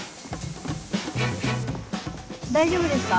大丈夫ですか？